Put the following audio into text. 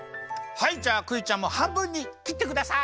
はいじゃあクイちゃんもはんぶんにきってください！